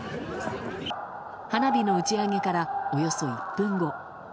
花火の打ち上げからおよそ１分後。